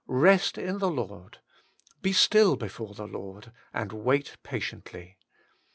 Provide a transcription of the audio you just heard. Rest in the Lord, be still before the Lord, and wait patiently.